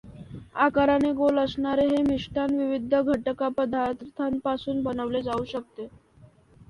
आकाराने गोल असणारे हे मिष्टान्न विविध घटकपदार्थांपासून बनवले जाऊ शकते.